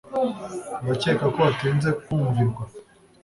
Urakeka ko watinze kumvirwa